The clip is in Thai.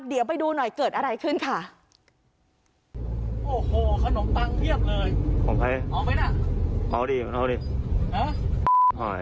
โอ้โหขนมปังเยี่ยมเลยของใครเอาไหมน่ะเอาดีมันเอาดีฮะหอย